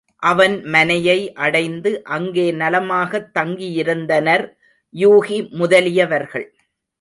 அவன் மனையை அடைந்து அங்கே நலமாகத் தங்கியிருந்தனர் யூகி முதலியவர்கள்.